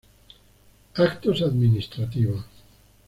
Actos Administrativos